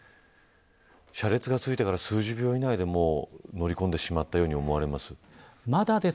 車列が着いてから数十秒以内で乗り込んでしまったように思われます。